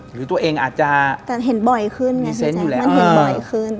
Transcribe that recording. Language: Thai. หรือตัวเองอาจจะมีเซ็นต์อยู่แล้วมันเห็นบ่อยขึ้น